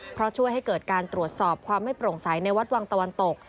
เพราะช่วยให้เกิดการตรวจสอบความไม่โปร่งใสในวัดวังตะวันตก